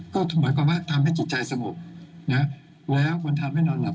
ก็หมายความว่าทำให้จิตใจสงบนะแล้วมันทำให้นอนหลับ